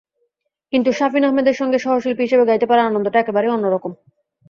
কিন্তু শাফিন আহমেদের সঙ্গে সহশিল্পী হিসেবে গাইতে পারার আনন্দটা একেবারেই অন্যরকম।